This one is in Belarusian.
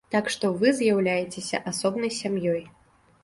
Так што вы з'яўляецеся асобнай сям'ёй.